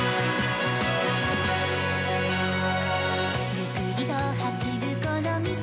「ゆっくりと走るこの道」